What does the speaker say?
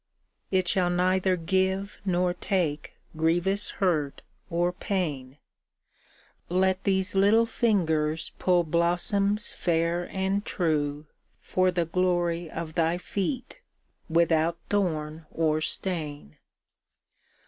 It shall neither give nor take grievous hurt or pain ; Let these little fingers pull blossoms fair and true For the glory of Thy feet, without thorn or stain.